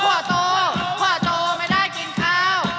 โอ้โหโอ้โหโอ้โห